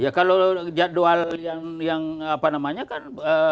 ya kalau jadwal yang apa namanya kan